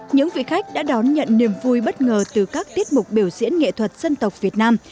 những vị khách đã đón nhận niềm vui bất ngờ từ các tiết mục biểu diễn nghệ thuật dân tộc việt nam